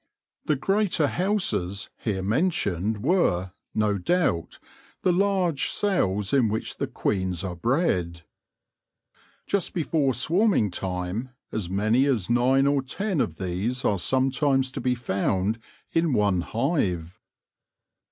The " greater houses " here mentioned 30 THE LORE OF THE HONEY FEE were, no doubt, the large cells in which the queens are bred. Just before swarming time, as many as nine or ten of these are sometimes to be found in one hive.